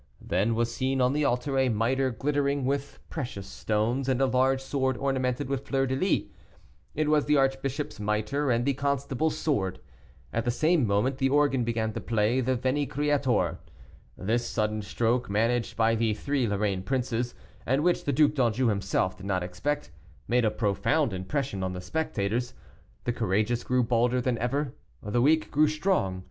Then was seen on the altar a miter glittering with precious stones, and a large sword ornamented with fleur de lis. It was the archbishop's miter and the constable's sword. At the same moment the organ began to play the Veni Creator. This sudden stroke, managed by the three Lorraine princes, and which the Duc d'Anjou himself did not expect, made a profound impression on the spectators. The courageous grew bolder than ever, and the weak grew strong.